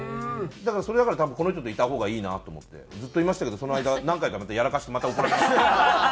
だからそれだから多分この人といた方がいいなと思ってずっといましたけどその間何回かまたやらかしてまた怒られましたけど。